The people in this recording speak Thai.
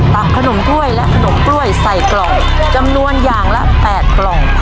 ขนมกล้วยและขนมกล้วยใส่กล่องจำนวนอย่างละ๘กล่อง